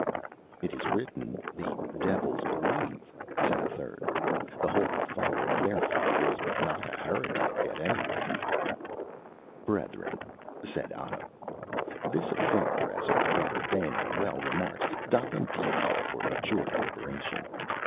"It is written, 'the devils believe,'" said a third: "the Holy Father, therefore, is not a heretic at any rate." "Brethren," said Anno, "this affair, as our brother Benno well remarks, doth indeed call for mature deliberation.